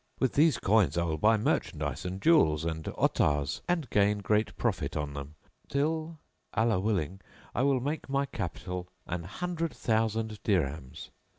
With these coins I will buy merchandise and jewels and ottars[FN#660] and gain great profit on them; till, Allah willing, I will make my capital an hundred thousand dirhams.